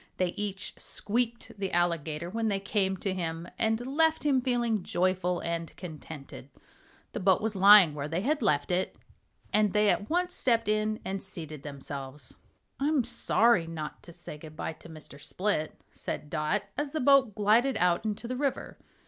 They each squeaked the Alligator when they came to him, and left him feeling joyful and contented. The boat was lying where they had left it, and they at once stepped in and seated themselves. "I'm sorry not to say good bye to Mr. Split," said Dot, as the boat glided out into the river.